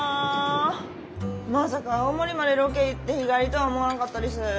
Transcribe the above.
まさか青森までロケ行って日帰りとは思わなかったです。